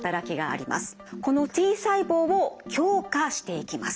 このＴ細胞を強化していきます。